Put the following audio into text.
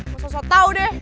gue susah tau deh